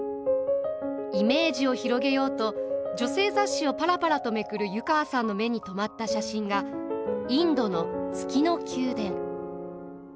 イメージを広げようと女性雑誌をパラパラとめくる湯川さんの目に留まった写真がインドの「月の宮殿」。